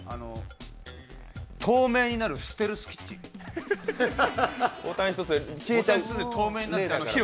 透明になるステルスキッチン。